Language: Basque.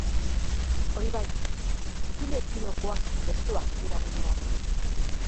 Hori bai, pitillo estilokoak eta estuak dira gehienak.